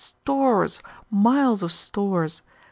stores! miles of stores!